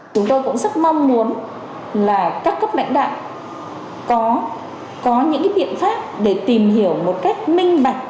chúng tôi cũng rất mong muốn là các cấp lãnh đạo có những biện pháp để tìm hiểu một cách minh bạch